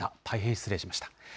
大変失礼しました。